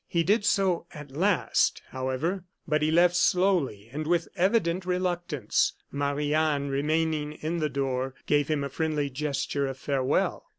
He did so, at last, however; but he left slowly and with evident reluctance. Marie Anne, remaining in the door, gave him a friendly gesture of farewell.